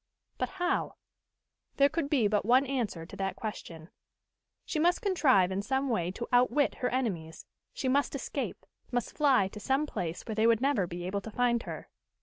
But how? There could be but one answer to that question. She must contrive in some way to outwit her enemies she must escape must fly to some place where they would never be able to find her.